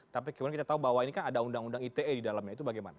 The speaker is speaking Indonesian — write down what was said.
tapi kemudian kita tahu bahwa ini kan ada undang undang ite di dalamnya itu bagaimana